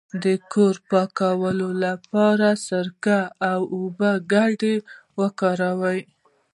د کور د پاکوالي لپاره د سرکې او اوبو ګډول وکاروئ